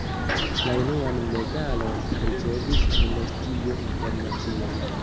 La unuan medalon ricevis Amnestio Internacia.